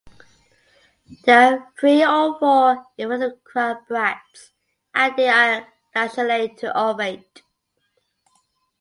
There are three or four involucral bracts and they are lanceolate to ovate.